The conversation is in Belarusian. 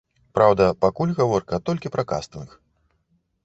Праўда, пакуль гаворка толькі пра кастынг.